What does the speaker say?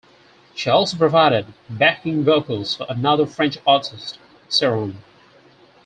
She also provided backing vocals for another French artist; Cerrone.